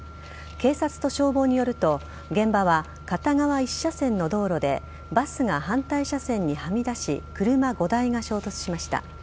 警察と消防によると、現場は片側１車線の道路でバスが反対車線にはみ出し車５台が衝突しました。